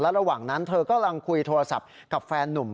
ระหว่างนั้นเธอกำลังคุยโทรศัพท์กับแฟนนุ่ม